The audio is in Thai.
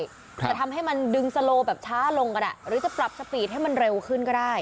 ครับแต่ทำให้มันดึงแบบช้าลงกันอ่ะหรือจะปรับสปีดให้มันเร็วขึ้นก็ได้